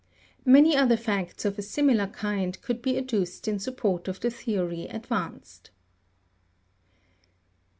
Many other facts of a similar kind could be adduced in support of the theory advanced.